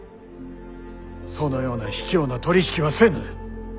そのような卑怯な取り引きはせぬ。